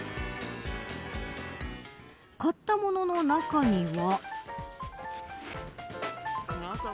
買った物の中には。